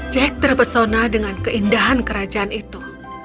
jack terpesona dengan keindahan kerajaan itu